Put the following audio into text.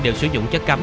đều sử dụng chất cấm